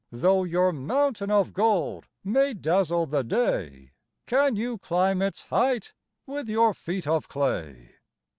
Though your mountain of gold may dazzle the day, Can you climb its height with your feet of clay?